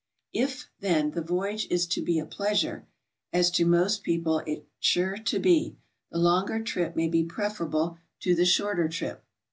If, then, the voyage is to be a pleasure, — as to most HOW TO GO. 37 people it is sure to be, — the longer trip may be preferable to the shorter trip.